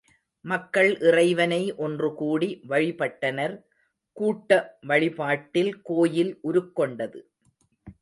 மக்கள் இறைவனை ஒன்றுகூடி, வழிபட்டனர், கூட்ட வழிபாட்டில் கோயில் உருக்கொண்டது.